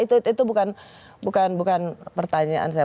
itu bukan pertanyaan saya